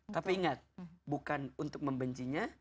tapi ingat bukan untuk membencinya